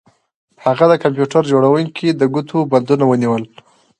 هغه د کمپیوټر جوړونکي د ګوتو بندونه ونیول